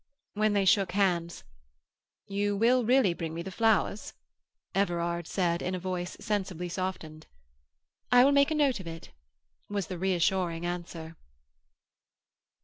When they shook hands,— "You will really bring me the flowers?" Everard said in a voice sensibly softened. "I will make a note of it," was the reassuring answer.